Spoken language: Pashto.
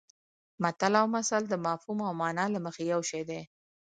متل او مثل د مفهوم او مانا له مخې یو شی دي